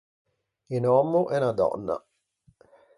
Un òmmo e unna dònna.